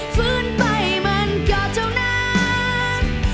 ฟื้นไปมันก็เท่านั้น